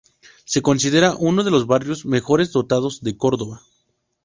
Se considera uno de los barrios mejores dotados de Córdoba.